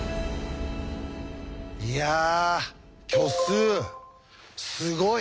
いや虚数すごい。